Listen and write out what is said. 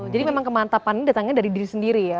jadi memang kemantapan ini datangnya dari diri sendiri ya